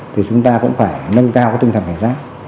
thì chúng ta cũng phải nâng cao tinh thần hệ giác